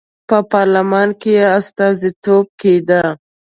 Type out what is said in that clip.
په پارلمان کې یې استازیتوب کېده.